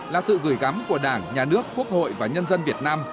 là sự gửi gắm của đảng nhà nước quốc hội và nhân dân việt nam